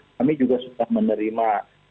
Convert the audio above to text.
kami juga sudah menerima